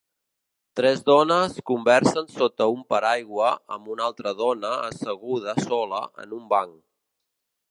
Tres dones conversen sota un paraigua amb una altra dona asseguda sola en un banc